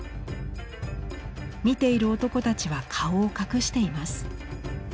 見ている男たちは顔を隠しています。